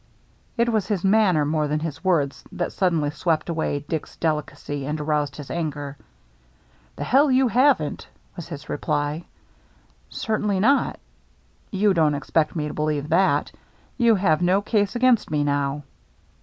It was his manner more than his words that suddenly swept away Dick's delicacy and BEVERIDGE SURPRISES HIMSELF 405 aroused his anger. "The hell you haven't!" was his reply. " Certainly not." " You don't expect me to believe that. You have no case against me now."